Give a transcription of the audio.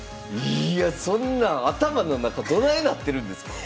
いやそんなん頭の中どないなってるんですか？